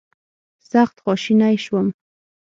سخت خواشینی شوم.